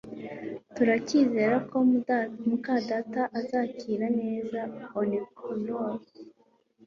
Turacyizera ko muka data azakira neza. (oneconor)